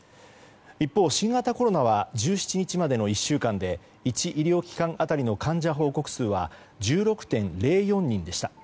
一方、新型コロナは１７日までの１週間で１医療機関当たりの患者報告数は１６．０４人でした。